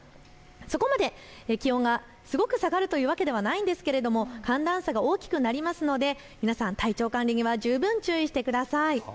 そこまで気温がすごく下がるというわけではないんですが寒暖差が大きくなるので皆さん、体調管理には十分注意してください。